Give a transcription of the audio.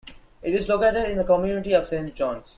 It is located in the community of Saint Johns.